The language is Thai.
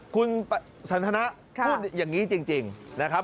คุณสันทนะพูดอย่างนี้จริงนะครับ